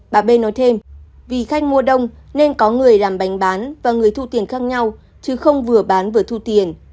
bà b nói thêm vì khách mua đông nên có người làm bánh bán và người thu tiền khác nhau chứ không vừa bán vừa thu tiền